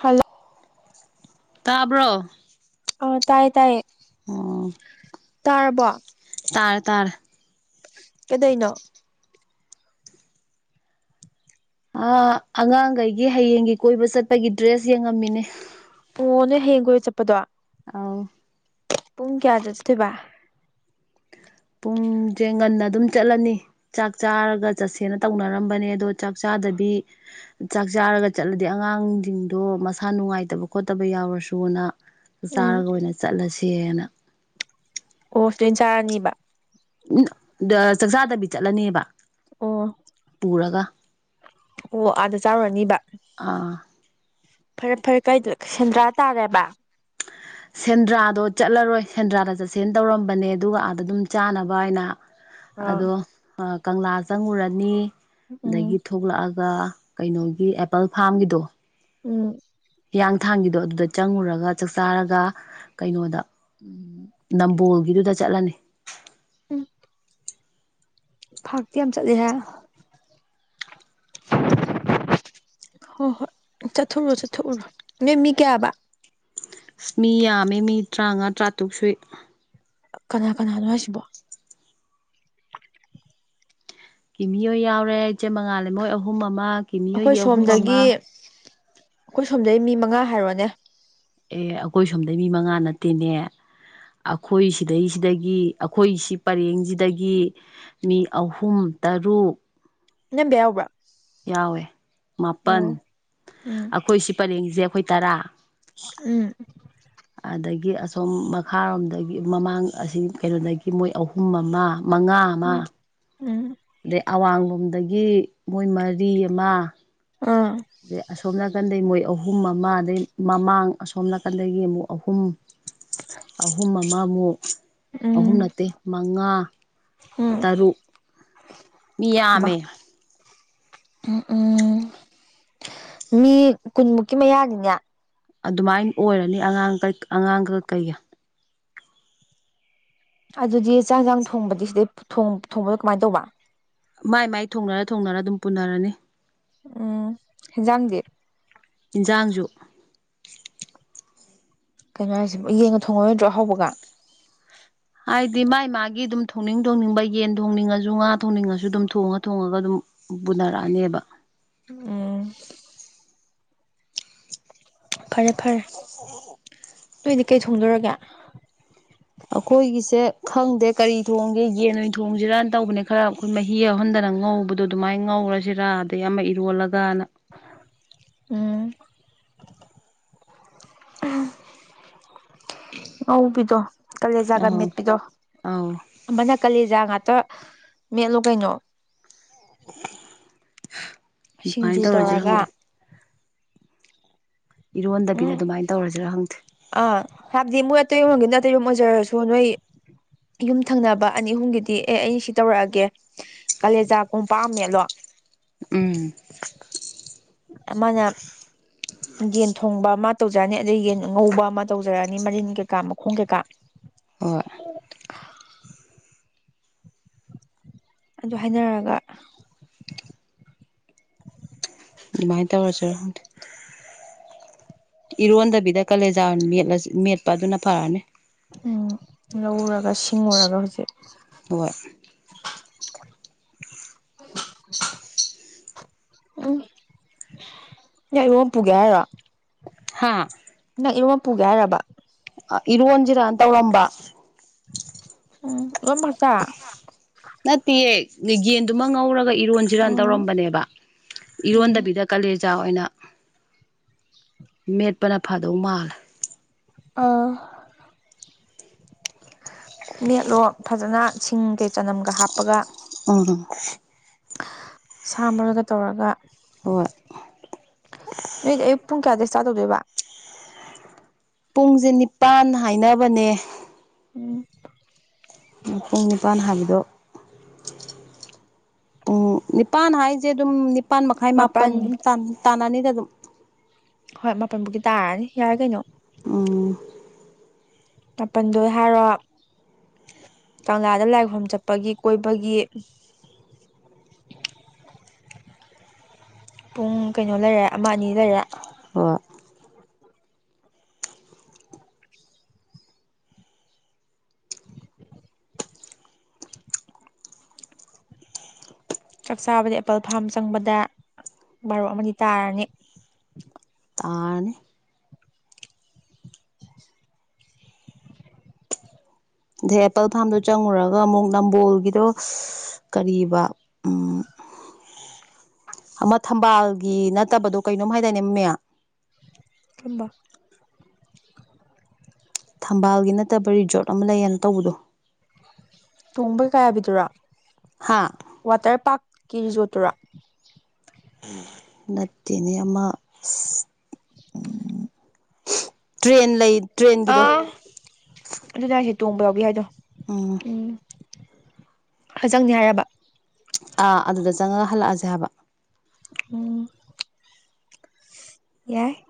hello ꯇꯥꯕ꯭ꯔꯣ ꯑꯣ ꯇꯥꯏ ꯇꯥꯏꯌꯦ ꯎꯝ ꯇꯥꯔꯕꯣ ꯇꯥꯔꯦ ꯇꯥꯔꯦ ꯀꯩꯗꯣꯢꯅꯣ ꯑ ꯑꯉꯥꯡꯒꯩꯒꯤ ꯍꯌꯦꯡꯒꯤ ꯀꯣꯏꯕ ꯆꯠꯄꯒꯤ ꯗ꯭ꯔꯦꯁ ꯌꯦꯡꯉꯝꯃꯤꯅꯦ ꯑꯣ ꯅꯣꯢ ꯍꯌꯦꯡ ꯀꯣꯏꯕ ꯆꯠꯄꯗꯣ ꯑꯥꯎ ꯄꯨꯡ ꯀꯌꯥꯗ ꯆꯠꯇꯣꯏꯕ ꯄꯨꯡꯖꯦ ꯉꯟꯅ ꯑꯗꯨꯝ ꯆꯠꯂꯅꯤ ꯆꯥꯛ ꯆꯥꯔꯒ ꯆꯠꯁꯦꯅ ꯇꯧꯅꯔꯝꯕꯅꯦ ꯑꯗꯣ ꯆꯥꯛ ꯆꯥꯗꯕꯤ ꯆꯥꯛ ꯆꯥꯔꯒ ꯆꯠꯂꯗꯤ ꯑꯉꯥꯡꯖꯤꯡꯗꯣ ꯃꯁꯥ ꯅꯨꯡꯉꯥꯏꯇꯕ ꯈꯣꯠꯇꯕ ꯌꯥꯎꯔꯁꯨꯅ ꯎꯝ ꯆꯥꯔꯒ ꯑꯣꯏꯅ ꯆꯠꯂꯁꯦꯅ ꯑꯣ ꯁꯤꯗꯩꯩ ꯑꯣꯏꯟ ꯆꯥꯔꯅꯤꯕ ꯑꯝ ꯆꯥꯛꯆꯥꯗꯕꯤ ꯆꯠꯂꯅꯤꯕ ꯑꯣ ꯑꯣ ꯑꯥꯗꯥ ꯆꯥꯔꯨꯔꯅꯤꯕ ꯑꯥ ꯐꯔꯦ ꯐꯔꯦ ꯀꯥꯏꯗ ꯁꯦꯟꯗ꯭ꯔꯥ ꯇꯥꯔꯦꯕ ꯁꯦꯟꯗ꯭ꯔꯥꯗꯣ ꯆꯠꯂꯔꯣꯏ ꯁꯦꯟꯗ꯭ꯔꯥꯗ ꯆꯠꯁꯦꯅ ꯇꯧꯔꯝꯕꯅꯦ ꯑꯗꯨꯒ ꯑꯥꯗ ꯑꯗꯨꯝ ꯆꯥꯅꯕꯥꯏꯅ ꯑꯥ ꯑꯗꯣ ꯀꯪꯂꯥ ꯆꯪꯉꯨꯔꯅꯤ ꯎꯝ ꯑꯗꯒꯤ ꯊꯣꯛꯂꯛꯑꯒ ꯀꯩꯅꯣꯒꯤ ꯑꯦꯄꯜ ꯐꯥꯝꯒꯤꯗꯣ ꯎꯝ ꯍꯤꯌꯥꯡꯊꯥꯡꯒꯤꯗꯣ ꯑꯗꯨꯗ ꯆꯪꯉꯨꯔꯒ ꯆꯥꯛꯆꯥꯔꯒ ꯀꯩꯅꯣꯗ ꯅꯝꯕꯣꯜꯒꯤꯗꯨꯗ ꯆꯠꯂꯅꯤ ꯎꯝ ꯐꯥꯛꯇꯤ ꯌꯥꯝ ꯆꯠꯂꯤꯍꯦ ꯍꯣ ꯍꯣꯏ ꯆꯠꯊꯣꯛꯎꯔꯣ ꯆꯠꯊꯣꯛꯎꯔꯣ ꯅꯣꯏ ꯃꯤ ꯀꯥꯌꯥ ꯕꯥ ꯃꯤ ꯌꯥꯝꯃꯦ ꯃꯤ ꯇ꯭ꯔꯥꯉꯥ ꯇ꯭ꯔꯥꯇꯨꯛ ꯁꯨꯏ ꯀꯅꯥ ꯀꯅꯥꯅꯣ ꯍꯥꯏꯁꯤꯕꯣ ꯀꯤꯃꯤ ꯍꯣꯏ ꯌꯥꯎꯔꯦ ꯏꯆꯦ ꯃꯉꯥꯜꯂꯩꯃ ꯍꯣꯏ ꯑꯍꯨꯝ ꯑꯃ ꯀꯤꯃꯤ ꯑꯩꯈꯣꯏ ꯍꯣꯏꯒꯤ ꯑꯍꯨꯝ ꯑꯃ ꯁꯣꯝꯗꯒꯤ ꯑꯩꯈꯣꯏ ꯁꯣꯝꯗꯩ ꯃꯤ ꯃꯉꯥ ꯍꯥꯏꯔꯣꯅꯦ ꯑꯦ ꯑꯈꯣꯏ ꯁꯣꯝꯗꯩ ꯃꯤ ꯃꯉꯥ ꯅꯠꯇꯦꯅꯦ ꯑꯈꯣꯏ ꯁꯤꯗꯩꯁꯤꯗꯒꯤ ꯑꯈꯣꯏꯁꯤ ꯄꯔꯦꯡꯁꯤꯗꯒꯤ ꯃꯤ ꯑꯍꯨꯝ ꯇꯔꯨꯛ ꯏꯅꯝꯕꯦ ꯌꯥꯎꯕ꯭ꯔꯥ ꯌꯥꯎꯋꯦ ꯃꯥꯄꯟ ꯑꯣ ꯎꯝ ꯑꯈꯣꯏ ꯁꯤ ꯄꯔꯦꯡꯖꯦ ꯑꯈꯣꯏ ꯇꯔꯥ ꯎꯝ ꯑꯗꯒꯤ ꯑꯁꯣꯝ ꯃꯈꯥꯔꯣꯝꯗꯒꯤ ꯃꯃꯥꯡ ꯑꯁꯤ ꯀꯩꯅꯣꯗꯒꯤ ꯃꯣꯏ ꯑꯍꯨꯝ ꯑꯃ ꯃꯉꯥ ꯑꯃ ꯎꯝ ꯎꯝ ꯑꯗꯩ ꯑꯋꯥꯡꯂꯣꯝꯗꯒꯤ ꯃꯣꯏ ꯃꯔꯤ ꯑꯃ ꯑꯥ ꯑꯗꯩ ꯑꯁꯣꯝ ꯅꯥꯀꯟꯗꯩ ꯃꯣꯏ ꯑꯍꯨꯝ ꯑꯃ ꯑꯗꯩ ꯃꯃꯥꯡ ꯑꯁꯣꯝ ꯅꯥꯀꯟꯗꯒꯤ ꯑꯃꯨꯛ ꯑꯍꯨꯝ [inaudible] ꯑꯍꯨꯝ ꯑꯃꯃꯨꯛ ꯑꯍꯨꯝ ꯎꯝ ꯅꯠꯇꯦ ꯃꯉꯥ ꯎꯝ ꯇꯔꯨꯛ ꯃꯤ ꯃꯥ ꯌꯥꯝꯃꯦ ꯎꯝ ꯎꯝ ꯃꯤ ꯀꯨꯟꯃꯨꯛꯀꯤ ꯃꯌꯥꯅꯤꯅꯦ ꯑꯗꯨꯃꯥꯏꯟ ꯑꯣꯏꯔꯅꯤ ꯑꯉꯥꯡꯀ ꯑꯉꯥꯡꯒ ꯀꯩꯒ ꯑꯗꯨꯗꯤ ꯆꯥꯛ ꯍꯦꯟꯖꯥꯡ ꯊꯣꯡꯕꯗꯤ ꯁꯤꯗꯩ ꯊꯣꯡ ꯊꯣꯡꯕꯗꯣ ꯀꯃꯥꯏꯟ ꯇꯧꯕ ꯃꯥꯏ ꯃꯥꯏ ꯊꯣꯡꯅꯔ ꯊꯣꯡꯅꯔ ꯑꯗꯨꯝ ꯄꯨꯅꯔꯅꯤ ꯎꯝ ꯍꯤꯟꯖꯥꯡꯗꯤ ꯏꯟꯖꯥꯡꯖꯨ ꯀꯩꯅꯣ ꯍꯥꯏꯁꯤꯕꯣ ꯌꯦꯟꯒ ꯊꯣꯡꯉꯔꯣꯏꯗ꯭ꯔꯣ ꯑꯍꯥꯎꯕꯒ ꯍꯥꯏꯗꯤ ꯃꯥꯥꯏ ꯃꯥꯒꯤ ꯑꯗꯨꯝ ꯊꯣꯡꯅꯤꯡ ꯊꯣꯡꯅꯤꯡꯕ ꯌꯦꯟ ꯊꯣꯡꯅꯤꯡꯉꯖꯨ ꯉꯥ ꯊꯣꯡꯅꯤꯡꯉꯖꯨ ꯑꯗꯨꯝ ꯊꯣꯡꯉ ꯊꯣꯡꯉꯒ ꯑꯗꯨꯝ ꯄꯨꯅꯔꯛ ꯑꯅꯦꯕ ꯎꯝ ꯐꯔꯦ ꯐꯔꯦ ꯅꯣꯏꯗꯤ ꯀꯩ ꯊꯣꯡꯗꯣꯔꯒꯦ ꯑꯩꯈꯣꯏꯒꯤꯁꯦ ꯈꯪꯗꯦ ꯀꯔꯤ ꯊꯣꯡꯒꯦ ꯌꯦꯟ ꯑꯣꯏꯅ ꯊꯣꯡꯖꯤꯔꯅ ꯇꯧꯕꯅꯦ ꯈꯔ ꯑꯈꯣꯏ ꯃꯍꯤ ꯌꯥꯎꯍꯟꯗꯅ ꯉꯧꯕꯗꯣ ꯑꯗꯨꯃꯥꯏ ꯉꯧꯔꯖꯤꯔꯥ ꯑꯗꯩ ꯑꯃ ꯏꯔꯣꯜꯂꯒꯅ ꯎꯝ ꯑꯧꯕꯤꯗꯣ ꯀꯂꯦꯖꯥꯒ ꯑꯧ ꯃꯦꯠ ꯄꯤꯗꯣ ꯑꯧ ꯑꯃꯅ ꯀꯂꯦꯖꯥ ꯉꯥꯛꯇ ꯃꯦꯠꯂꯣ ꯀꯩꯅꯣ ꯑꯗꯨꯃꯥꯏꯅ ꯁꯤꯡꯖꯨ ꯇꯧꯔꯁꯤꯔ ꯇꯧꯔꯒ ꯈꯪꯗꯦ ꯏꯔꯣꯟꯗꯕꯤꯗ ꯎꯝ ꯑꯗꯨꯃꯥꯏ ꯇꯧꯔꯖꯤꯔꯥ ꯈꯪꯗꯦ ꯑꯥ ꯍꯥꯏꯕꯗꯤ ꯃꯣꯏ ꯑꯇꯩꯔꯣꯝꯒꯤꯅ ꯑꯇꯩꯔꯣꯝ ꯑꯣꯏꯖꯔꯁꯨ ꯅꯣꯏ ꯌꯨꯝ ꯊꯪꯅꯕ ꯑꯅꯤ ꯑꯍꯨꯝꯒꯤꯗꯤ ꯑꯦ ꯑꯩꯩꯅ ꯁꯤ ꯇꯧꯔꯛꯑꯒꯦ ꯀꯥꯂꯦꯖꯥ ꯀꯣꯝꯄꯥꯛ ꯑꯃ ꯃꯦꯠꯂꯣ ꯎꯝ ꯑꯃꯅ ꯌꯦꯟ ꯊꯣꯡꯕ ꯑꯃ ꯇꯧꯖꯔꯅꯤ ꯑꯗꯩ ꯌꯦꯟ ꯉꯧꯕ ꯑꯃ ꯇꯧꯖꯔꯅꯤ ꯃꯔꯤꯟ ꯀꯩꯀꯥ ꯃꯈꯣꯡ ꯀꯩꯀꯥ ꯍꯣꯏ ꯑꯗꯨ ꯍꯥꯏꯅꯔꯒ ꯑꯗꯨꯃꯥꯏ ꯇꯧꯔꯖꯤꯔ ꯈꯪꯗꯦ ꯏꯔꯣꯟꯗꯕꯤꯗ ꯀꯂꯦꯖꯥ ꯑꯣꯏꯅ ꯃꯦꯠꯂꯖꯤ ꯃꯦꯠꯄ ꯑꯗꯨꯅ ꯐꯥꯔꯅꯤ ꯎꯝ ꯂꯧꯔꯒ ꯁꯤꯡꯉꯨꯔꯒ ꯍꯧꯖꯤꯛ ꯍꯣꯏ [inaudible] ꯎꯝ ꯅꯪ ꯏꯔꯣꯝꯕ ꯄꯨꯒꯦ ꯍꯥꯏꯔꯣ ꯍꯥꯥ ꯅꯪ ꯏꯔꯣꯝꯕ ꯄꯨꯒꯦ ꯍꯥꯏꯔꯕ ꯑꯥ ꯏꯔꯣꯟꯖꯤꯔꯅ ꯇꯧꯔꯝꯕ ꯎꯝ [unintelligible] ꯅꯠꯇꯤꯌꯦ ꯌꯦꯟꯗꯨꯃ ꯉꯧꯔꯒ ꯏꯔꯣꯟꯖꯤꯔꯅ ꯎꯝ ꯇꯧꯔꯝꯕꯅꯦꯕ ꯎꯝ ꯏꯔꯣꯟꯗꯕꯤꯗ ꯀꯂꯦ ꯖꯥ ꯑꯣꯏꯅ ꯃꯦꯠꯄꯅ ꯐꯥꯗꯧ ꯃꯥꯜꯂꯦ ꯑꯥ ꯃꯦꯠꯂꯣ ꯐꯥꯖꯅ ꯁꯤꯡꯒꯩ ꯆꯅꯝꯒ ꯍꯥꯞꯄꯒ ꯎꯝ ꯁꯥ ꯃꯔꯣꯏꯒ ꯇꯧꯔꯒ ꯍꯣꯏ ꯅꯣꯏꯗꯤ ꯑꯌꯨꯛ ꯄꯨꯡ ꯀꯌꯥꯗꯩ ꯁ꯭ꯇꯥꯔꯠ ꯇꯧꯗꯣꯏꯕ ꯄꯨꯡꯖꯦ ꯅꯤꯄꯥꯜ ꯍꯥꯏꯅꯕꯅꯦ ꯎꯝ ꯄꯨꯡ ꯅꯤꯄꯥꯜ ꯍꯥꯏꯕꯗꯣ ꯎꯝ ꯅꯤꯄꯥꯥꯟ ꯍꯥꯏꯁꯦ ꯑꯗꯨꯝ ꯅꯤꯞꯥꯟ ꯅꯤꯄꯥꯥꯟ ꯃꯈꯥꯏ ꯃꯥꯄꯟ ꯑꯗꯨꯝ ꯇꯥꯟꯅ ꯅꯤꯗ ꯑꯗꯨꯝ ꯍꯣꯏ ꯃꯥꯄꯟꯕꯨꯗꯤ ꯇꯥꯔꯅꯤ ꯌꯥꯔꯦ ꯀꯩꯅꯣ ꯎꯝ ꯃꯥꯄꯟꯗꯣ ꯍꯥꯏꯔꯣ ꯀꯪꯂꯥꯗ ꯂꯥꯏꯈꯣꯝ ꯆꯠꯄꯒꯤ ꯀꯣꯏꯕꯒꯤ ꯄꯨꯡ ꯀꯩꯅꯣ ꯂꯩꯔꯦ ꯑꯃ ꯑꯅꯤ ꯂꯩꯔꯦ ꯍꯣꯏ [inaudible] ꯆꯥꯛ ꯆꯥꯕꯗꯤ ꯑꯦꯄꯜ ꯐꯥꯝ ꯆꯪꯕꯗ ꯕꯥꯔꯣ ꯑꯃꯗꯤ ꯇꯥꯔꯅꯤ ꯇꯥꯔꯅꯤ ꯑꯗꯩ ꯑꯦꯄꯜ ꯐꯥꯝꯗꯣ ꯆꯪꯉꯨꯔꯒ ꯑꯃꯨꯛ ꯅꯝꯕꯣꯜꯒꯤꯗꯣ ꯀꯔꯤꯕ ꯎꯝ ꯑꯃ ꯊꯝꯕꯥꯜꯒꯤ ꯅꯠꯇꯕꯗꯣ ꯀꯩꯅꯣꯝ ꯍꯥꯏꯗꯥꯏꯅꯦ ꯃꯃꯤꯡ ꯊꯝꯕꯥꯜ ꯊꯝꯕꯥꯜꯒꯤ ꯅꯠꯇꯕ ꯔꯤꯖꯣꯔꯠ ꯑꯃ ꯂꯩꯌꯦꯅ ꯇꯧꯕꯗꯣ ꯇꯣꯡꯕꯩ ꯀꯥꯌꯥꯕꯤꯗꯨꯔꯣ ꯍꯥꯥ ꯋꯥꯇꯔ ꯄꯥꯔꯛꯀꯤ ꯔꯤꯖꯣꯔꯠꯇꯨꯔꯣ ꯅꯠꯇꯦꯅꯦ ꯑꯃ ꯇ꯭ꯔꯦꯟ ꯂꯩ ꯇ꯭ꯔꯦꯟꯒꯤꯗꯣ ꯑꯥ ꯑꯗꯨ ꯍꯥꯏꯁꯦ ꯇꯣꯡꯕ ꯌꯥꯎꯕꯤ ꯍꯥꯏꯗꯣ ꯎꯝ ꯐꯖꯪꯅꯤ ꯍꯥꯏꯔꯕ ꯑꯥ ꯑꯗꯨꯗ ꯆꯪꯉꯒ ꯍꯜꯂꯛꯑꯁꯦ ꯍꯥꯏꯕ ꯑꯣ ꯌꯥꯏ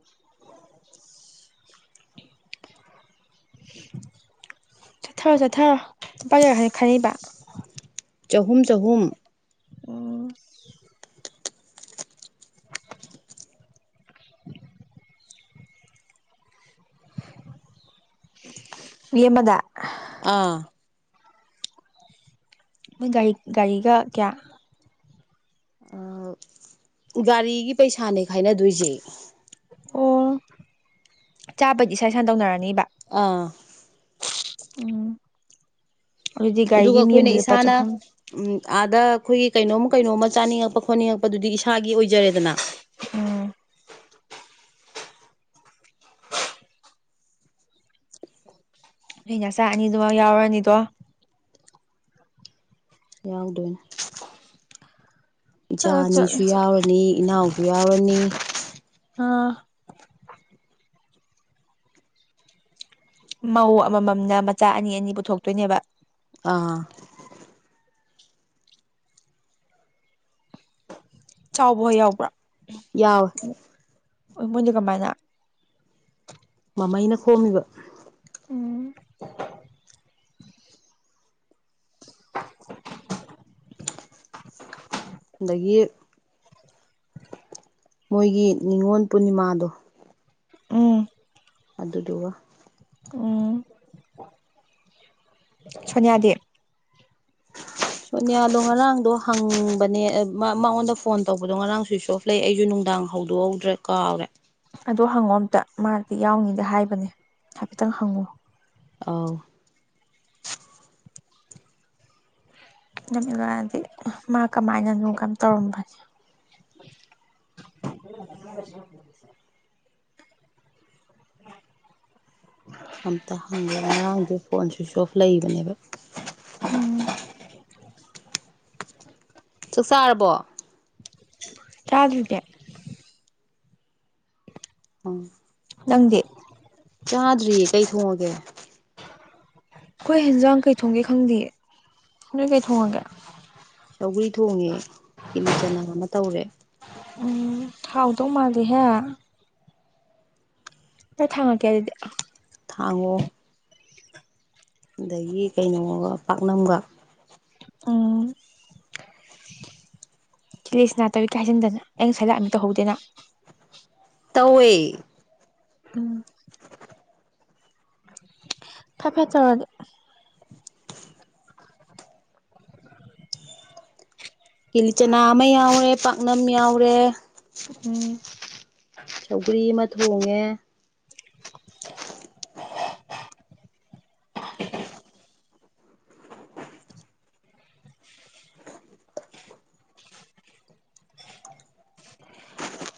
ꯆꯠꯊꯔꯣ ꯆꯠꯊꯔꯣ ꯂꯨꯄꯥ ꯀꯌꯥ ꯀꯌꯥꯥ ꯈꯥꯢꯅꯩꯕ ꯆꯍꯨꯝ ꯆꯍꯨꯝ ꯑꯣ ꯃꯤ ꯑꯃꯗ ꯑꯥ ꯃꯣꯏ ꯒꯥꯔꯤ ꯒꯥꯔꯤꯒ ꯀꯌꯥ ꯑꯥ ꯒꯥꯔꯤꯒꯤ ꯄꯩꯁꯥꯅꯦ ꯈꯥꯏꯅꯗꯣꯏꯁꯦ ꯑꯣ ꯆꯥꯕꯒꯤꯗꯤ ꯏꯁꯥ ꯏꯁꯥꯅ ꯇꯧꯅꯔꯅꯤꯕ ꯑꯥ ꯎꯝ ꯑꯗꯨꯗꯤ ꯑꯗꯨꯒ ꯒꯥꯔꯤꯒꯤ ꯃꯤ ꯑꯩꯈꯣꯏꯅ ꯑꯝꯗ ꯂꯨꯄꯥ ꯏꯁꯥꯅ ꯆꯍꯨꯝ ꯎꯝ ꯑꯥꯗ ꯑꯩꯈꯣꯏꯒꯤ ꯀꯩꯅꯣꯝ ꯀꯩꯅꯣꯝꯃ ꯆꯥꯅꯤꯡꯉꯛꯄ ꯈꯣꯠꯅꯤꯡꯉꯛꯄꯗꯨꯗꯤ ꯏꯁꯥꯒꯤ ꯑꯣꯏꯖꯔꯦꯗꯅ ꯎꯝ ꯅꯣꯢ ꯅꯆꯥ ꯑꯅꯤꯗꯨꯕꯥꯎ ꯌꯥꯎꯔꯅꯤꯗꯣ ꯌꯥꯎꯗꯣꯏꯅꯦ ꯏꯆꯥ ꯆꯠꯂꯣ ꯆꯠꯂꯣ ꯑꯅꯤꯁꯨ ꯌꯥꯎꯔꯅꯤ ꯏꯅꯥꯎꯁꯨ ꯌꯥꯎꯔꯅꯤ ꯑꯥ ꯃꯧ ꯑꯃꯃꯝꯅ ꯃꯆꯥ ꯑꯅꯤ ꯑꯅꯤ ꯄꯨꯊꯣꯛꯇꯣꯏꯅꯦꯕ ꯑꯥ ꯆꯥꯎꯕ ꯍꯣꯢ ꯌꯥꯎꯕ꯭ꯔ ꯌꯥꯎꯏ ꯃꯣꯏꯗꯤ ꯀꯃꯥꯏꯅ ꯃꯃꯩꯅ ꯈꯣꯝꯃꯤꯕ ꯎꯝ [inaudible] ꯗꯒꯤ ꯃꯣꯏꯒꯤ ꯅꯤꯉꯣꯟ ꯄꯨꯅꯤꯃꯥꯗꯣ ꯎꯝ ꯑꯗꯨꯗꯨꯒ ꯎꯝ ꯁꯣꯅꯤꯌꯥꯗꯤ ꯁꯣꯅꯤꯌꯥꯗꯣ ꯉꯔꯥꯡꯗꯣ ꯍꯪꯕꯅꯦ ꯑ ꯃ ꯃꯉꯣꯟꯗ ꯐꯣꯟ ꯇꯧꯕꯗꯣ ꯉꯔꯥꯡ ꯁ꯭ꯋꯤꯖ ꯑꯣꯐ ꯂꯩ ꯑꯩꯖꯨ ꯅꯨꯡꯗꯥꯡ ꯍꯧꯗꯣꯛꯍꯧꯗ꯭ꯔꯦ ꯀꯥꯎꯔꯦ ꯑꯗꯣ ꯍꯪꯉꯣ ꯑꯝꯇ ꯃꯥꯗꯤ ꯌꯥꯎꯅꯤꯗ ꯍꯥꯏꯕꯅꯦ ꯍꯥꯏꯐꯦꯠꯇꯪ ꯍꯪꯉꯣ ꯑꯥꯎ [inaudible] [unintelligible] ꯃꯥ ꯀꯃꯥꯏꯅꯅꯣ ꯀꯩꯝ ꯇꯧꯔꯝꯒꯅꯤ [inaudible] [inaudible] ꯑꯝꯇ ꯍꯪꯒꯦ ꯉꯔꯥꯡꯗꯤ ꯐꯣꯟ ꯁ꯭ꯋꯤꯆ ꯑꯣꯐ ꯂꯩꯕꯅꯦꯕ ꯎꯝ ꯆꯥꯛ ꯆꯥꯔꯕꯣ ꯆꯥꯗ꯭ꯔꯤꯅꯦ ꯑꯪ ꯅꯪꯗꯤ ꯆꯥꯗ꯭ꯔꯤꯌꯦ ꯀꯩ ꯊꯣꯡꯉꯒꯦ ꯑꯩꯈꯣꯏ ꯍꯦꯟꯖꯥꯡ ꯀꯩ ꯊꯣꯡꯒꯦ ꯈꯪꯗꯤꯌꯦ ꯅꯣꯏ ꯀꯩ ꯊꯣꯡꯉꯒꯦ ꯁꯧꯒ꯭ꯔꯤ ꯊꯣꯡꯉꯦ ꯀꯦꯂꯤ ꯆꯅꯥ ꯑꯃ ꯇꯧꯔꯦ ꯎꯝ ꯍꯥꯎꯗꯧ ꯃꯥꯜꯂꯤꯍꯦ ꯆꯥꯛ ꯊꯥꯡꯉꯛꯀꯦ ꯑꯗꯨꯗꯤ ꯊꯥꯡꯉꯛꯑꯣ ꯑꯗꯒꯤ ꯀꯩꯅꯣꯒ ꯄꯥꯛꯅꯝꯒ ꯑꯝ ꯀꯦꯂꯤ ꯆꯅꯥ ꯇꯧꯋꯤꯀꯥ ꯍꯥꯏꯖꯤꯟꯗꯅ ꯑꯩ ꯉꯁꯥꯏ ꯂꯥꯛꯑꯝꯃꯤ ꯇꯧꯍꯧꯗꯦꯅꯥ ꯇꯧꯋꯦ ꯎꯝ ꯐꯠ ꯐꯠ ꯇꯧꯔꯗꯤ ꯀꯤ ꯂꯤꯆꯅꯥ ꯑꯃ ꯌꯥꯎꯔꯦ ꯄꯥꯛꯅꯝ ꯌꯥꯎꯔꯦ ꯎꯝ ꯁꯧꯒ꯭ꯔꯤ ꯑꯃ ꯊꯣꯡꯉꯦ [inaudible]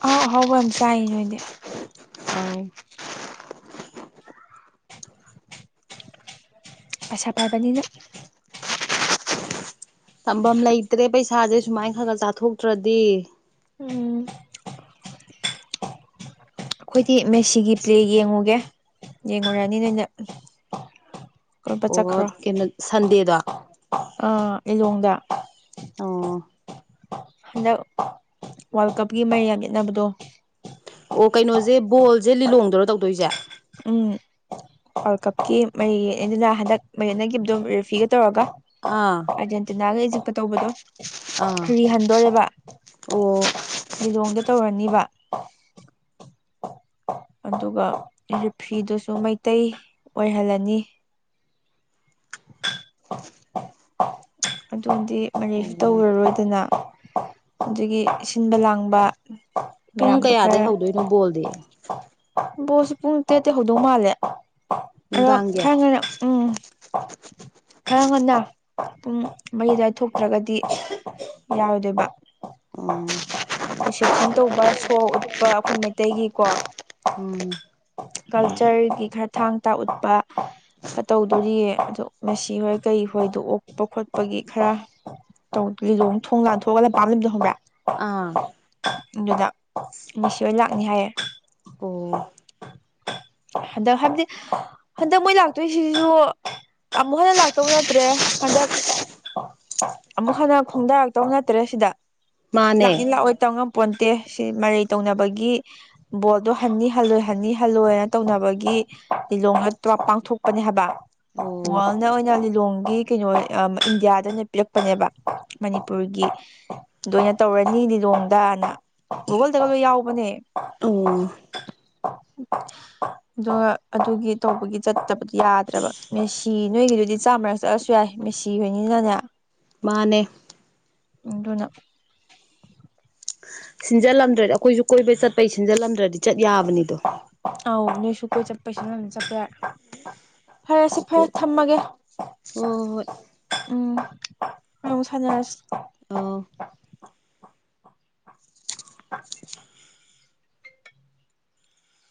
ꯑꯍꯥꯎ ꯑꯍꯥꯎꯕ ꯌꯥꯝ ꯆꯥꯏ ꯅꯣꯏꯗꯤ ꯑꯧ ꯄꯩꯁꯥ ꯄꯥꯢꯕꯅꯤꯅ ꯊꯝꯕꯝ ꯂꯩꯇ꯭ꯔꯦ ꯄꯩꯁꯥꯖꯦ ꯁꯨꯃꯥꯏꯅ ꯈꯒ ꯆꯥꯊꯣꯛꯇ꯭ꯔꯗꯤ ꯎꯝ ꯑꯈꯣꯏꯗꯤ ꯃꯦꯁꯤꯒꯤ ꯄ꯭ꯂꯦ ꯌꯦꯡꯉꯨꯒꯦ ꯌꯦꯡꯉꯨꯔꯅꯤ ꯅꯩꯅ ꯀꯣꯢꯕ ꯑꯣ ꯆꯠꯈ꯭ꯔꯣ ꯀꯩꯅꯣ ꯁꯟꯗꯦꯗꯣ ꯑꯥ ꯂꯤꯂꯣꯡꯗ ꯑꯣ ꯍꯟꯗꯛ ꯋꯥꯔꯜ ꯀꯞꯀꯤ ꯃꯔꯩ ꯌꯥꯝ ꯌꯦꯠꯅꯕꯗꯣ ꯑꯣ ꯀꯩꯅꯣꯖꯦ ꯕꯣꯜꯖꯦ ꯂꯤꯂꯣꯡꯗꯔꯣ ꯇꯧꯗꯣꯏꯁꯦ ꯎꯝ ꯋꯥꯔꯜ ꯀꯞꯀꯤ ꯃꯔꯩꯌꯦꯅ ꯍꯟꯗꯛ ꯃꯔꯩ ꯌꯦꯠꯅꯒꯤꯞꯇꯣ ꯔꯦꯐꯤꯒ ꯇꯧꯔꯒ ꯑꯥ ꯑꯔꯖꯦꯟꯇꯤꯅꯥꯒ ꯏꯖꯤꯞꯀ ꯇꯧꯕꯗꯣ ꯑꯥ ꯔꯤꯍꯟꯗꯣꯔꯦꯕ ꯑꯣ ꯂꯤꯂꯣꯡꯗ ꯇꯧꯔꯅꯤꯕ ꯑꯗꯨꯒ ꯔꯤꯐ꯭ꯔꯤꯗꯨꯁꯨ ꯃꯩꯇꯩ ꯑꯣꯏꯍꯜꯂꯅꯤ ꯑꯗꯨꯗꯤ ꯃꯔꯩꯁꯨ ꯑꯣ ꯇꯧꯔꯔꯣꯏ ꯗꯨꯅ ꯑꯗꯨꯒꯤ ꯁꯤꯟꯕ ꯂꯥꯡꯕ ꯄꯨꯡ ꯃꯌꯥꯝꯗꯣ ꯀꯌꯥꯗꯩ ꯈꯔ ꯍꯧꯗꯣꯏꯅꯣ ꯕꯣꯜꯗꯤ ꯕꯣꯜꯁꯦ ꯄꯨꯡ ꯇꯔꯦꯠꯇꯩ ꯍꯧꯗꯧ ꯃꯥꯜꯂꯦ ꯑꯗꯣ ꯅꯨꯡꯗꯥꯡꯒꯤ ꯈ꯭ꯔ ꯉꯟꯅ ꯎꯝ ꯈꯔ ꯉꯟꯅ ꯄꯨꯡ ꯃꯔꯤ ꯑꯗꯥꯢ ꯊꯣꯛꯇ꯭ꯔꯒꯗꯤ ꯌꯥꯔꯣꯏꯗꯣꯏꯕ ꯎꯝ ꯔꯤꯁꯦꯞꯁꯟ ꯇꯧꯕ ꯁꯣ ꯎꯠꯄ ꯑꯈꯣꯏ ꯃꯩꯇꯩꯒꯤꯀꯣ ꯎꯝ ꯀꯜꯆꯔꯒꯤ ꯈ꯭ꯔ ꯊꯥꯡ ꯇꯥ ꯎꯠꯄ ꯈꯔ ꯇꯧꯗꯣꯔꯤꯌꯦ ꯑꯗꯣ ꯃꯦꯁꯤ ꯍꯣꯏ ꯀꯩ ꯍꯣꯏꯗꯣ ꯑꯣꯛꯄ ꯈꯣꯠꯄꯒꯤ ꯈꯔ ꯇꯧꯗꯤ ꯂꯤꯂꯣꯡ ꯊꯣꯡ ꯂꯥꯟꯊꯣꯛꯑꯒ ꯂꯝꯄꯥꯝ ꯑꯝ ꯂꯩꯕꯗ ꯈꯪꯕ꯭ꯔ ꯑꯥ ꯑꯗꯨꯗ ꯃꯤꯁꯤ ꯍꯣꯢ ꯂꯥꯛꯅꯤ ꯍꯥꯏꯌꯦ ꯑꯣ ꯍꯟꯗꯛ ꯍꯥꯏꯕꯗꯤ ꯍꯟꯗꯛ ꯃꯣꯏ ꯂꯥꯛꯇꯣꯏꯁꯤꯖꯨ ꯑꯃꯨꯛ ꯍꯟꯅ ꯂꯥꯛꯇꯧ ꯅꯠꯇ꯭ꯔꯦ ꯍꯟꯗꯛ ꯑꯃꯨꯛ ꯍꯟꯅ ꯈꯣꯡꯗꯥꯔꯛꯇꯧ ꯅꯠꯇ꯭ꯔꯦ ꯁꯤꯗ ꯃꯥꯅꯦ ꯂꯥꯛꯅꯤ ꯂꯥꯛꯑꯣꯏ ꯇꯝꯉꯝ ꯄꯣꯟꯇꯦ ꯁꯤ ꯃꯔꯩ ꯇꯧꯅꯕꯒꯤ ꯕꯣꯜꯗꯣ ꯍꯟꯅꯤ ꯍꯜꯂꯣꯏ ꯍꯅꯤ ꯍꯜꯂꯣꯏꯅ ꯇꯧꯅꯕꯒꯤ ꯂꯤꯂꯣꯡꯗ ꯄꯥꯡꯊꯣꯛꯄꯅꯦ ꯍꯥꯏꯕ ꯑꯣ ꯋꯥꯔꯜꯅ ꯑꯣꯏꯅ ꯂꯤꯂꯣꯡꯒꯤ ꯀꯩꯅꯣ ꯏꯟꯗꯤꯌꯥꯗ ꯑꯣꯏꯅ ꯄꯤꯔꯛꯄꯅꯦꯕ ꯃꯅꯤꯄꯨꯔꯒꯤ ꯗꯣꯢꯅ ꯇꯧꯔꯅꯤ ꯂꯤꯂꯣꯡꯗꯅ ꯒꯨꯒꯜꯗꯒ ꯂꯣꯏ ꯌꯥꯎꯕꯅꯦ ꯑꯣ [inaudible] ꯑꯗꯣ ꯑꯗꯨꯒꯤ ꯇꯧꯕꯒꯤ ꯆꯠꯇꯕꯗꯤ ꯌꯥꯗ꯭ꯔꯕ ꯃꯦꯁꯤ ꯅꯣꯏꯒꯤꯗꯨꯗꯤ ꯆꯥꯝꯃꯔꯛ ꯆꯠꯂꯁꯨ ꯌꯥꯏ ꯃꯦꯁꯤ ꯍꯣꯢꯅꯤꯅꯅꯦ ꯃꯥꯅꯦ ꯑꯗꯨꯅ ꯁꯤꯟꯖꯜꯂꯝꯗ꯭ꯔꯗꯤ ꯑꯩꯈꯣꯏꯖꯨ ꯀꯣꯏꯕꯩ ꯆꯠꯄꯩ ꯁꯤꯟꯖꯜꯂꯝꯗ꯭ꯔꯗꯤ ꯆꯠ ꯌꯥꯕꯅꯤꯗꯣ ꯑꯥꯎ ꯅꯣꯏꯁꯨ ꯀꯣꯏ ꯆꯠꯄꯩ ꯁꯤꯂꯝꯗ꯭ꯔꯗꯤ ꯆꯠꯄ ꯌꯥꯏ ꯐꯔꯦꯁꯤ ꯐꯔꯦ ꯍꯣꯏ ꯊꯝꯃꯒꯦ ꯍꯣꯏ ꯎꯝ [unintelligible] ꯁꯥꯟꯅꯔꯁꯤ ꯑꯥꯎ [inaudible]